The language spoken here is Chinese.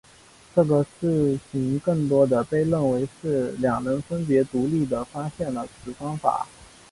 这个事情更多地被认为是两人分别独立地发现了此方法。